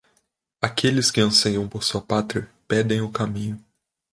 Aqueles que anseiam por sua pátria, pedem o caminho.